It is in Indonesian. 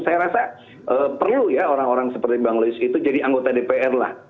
saya rasa perlu ya orang orang seperti bang louis itu jadi anggota dpr lah